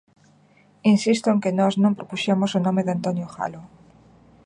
Insisto en que nós non propuxemos o nome de Antonio Galo.